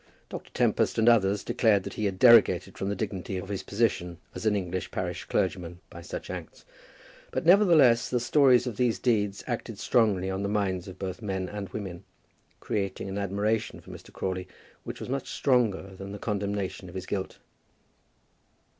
Dr. Tempest and others declared that he had derogated from the dignity of his position as an English parish clergyman by such acts; but, nevertheless, the stories of these deeds acted strongly on the minds of both men and women, creating an admiration for Mr. Crawley which was much stronger than the condemnation of his guilt.